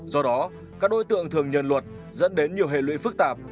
do đó các đối tượng thường nhận luật dẫn đến nhiều hệ lụy phức tạp